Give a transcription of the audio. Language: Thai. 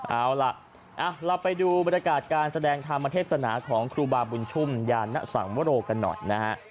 เอาล่ะเราไปดูบรรยากาศการแสดงธรรมเทศนาของครูบาบุญชุ่มยานสังวโรกันหน่อยนะฮะ